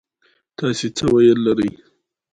Today the Baths of Caracalla are a tourist attraction.